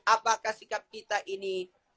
apakah sikap kita ini